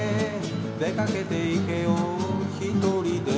「出かけていけよ一人で」